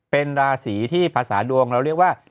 เป็นราศีที่ภาษาดวงเราเรียกว่า